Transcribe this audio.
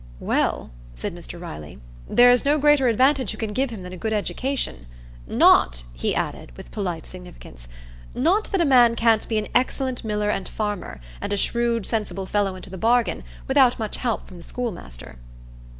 "Well," said Mr Riley, "there's no greater advantage you can give him than a good education. Not," he added, with polite significance,—"not that a man can't be an excellent miller and farmer, and a shrewd, sensible fellow into the bargain, without much help from the schoolmaster."